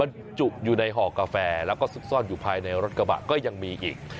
บรรจุอยู่ในห่อกาแฟแล้วก็ซุกซ่อนอยู่ภายในรถกระบะก็ยังมีอีก